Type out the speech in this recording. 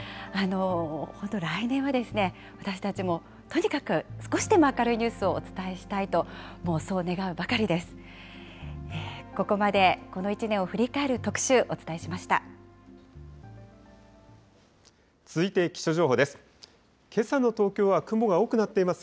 本当、来年は、私たちも、とにかく少しでも明るいニュースをお伝えしたいと、そう願うばかりです。